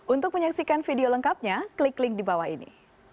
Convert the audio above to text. untuk menyaksikan video lengkapnya klik link di bawah ini